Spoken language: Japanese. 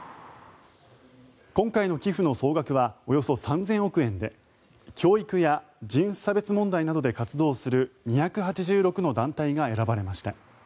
今回の寄付の総額はおよそ３０００億円で教育や人種差別問題などで活動する２８６の団体が選ばれました。